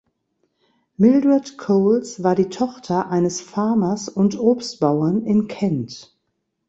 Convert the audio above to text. Mildred Coles war die Tochter eines Farmers und Obstbauern in Kent.